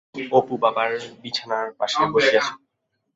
অপু বাবার বিছানার পাশেই বসিয়া ছিল।